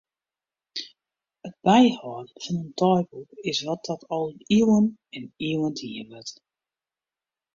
It byhâlden fan in deiboek is wat dat al iuwen en iuwen dien wurdt.